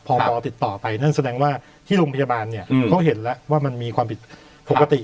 พอติดต่อไปนั่นแสดงว่าที่โรงพยาบาลเนี่ยเขาเห็นแล้วว่ามันมีความผิดปกติ